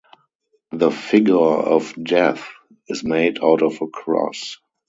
The figure of Death is made out of a cross.